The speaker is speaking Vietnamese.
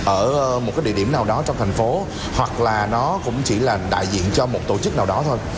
ở một cái địa điểm nào đó trong thành phố hoặc là nó cũng chỉ là đại diện cho một tổ chức nào đó thôi